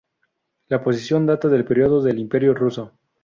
La posición data del período del Imperio ruso.